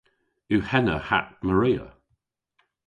Yw henna hatt Maria?